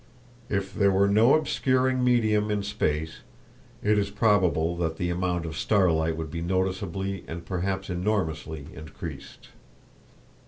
If there were no obscuring medium in space, it is probable that the amount of starlight would be noticeably and perhaps enormously increased.